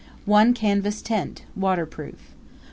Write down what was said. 1 canvas tent, waterproof.